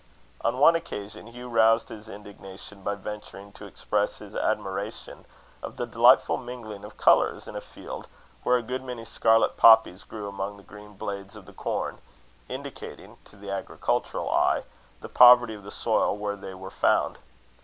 On one occasion, Hugh roused his indignation by venturing to express his admiration of the delightful mingling of colours in a field where a good many scarlet poppies grew among the green blades of the corn, indicating, to the agricultural eye, the poverty of the soil where they were found.